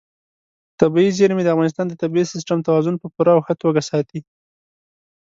طبیعي زیرمې د افغانستان د طبعي سیسټم توازن په پوره او ښه توګه ساتي.